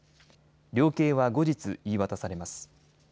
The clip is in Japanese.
量刑は後日、言い渡されます。